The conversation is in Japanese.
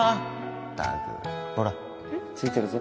ったくほらついてるぞ